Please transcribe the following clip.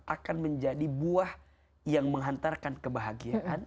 akan menjadi buah yang menghantarkan kebahagiaan